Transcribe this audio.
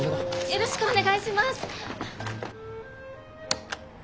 よろしくお願いします。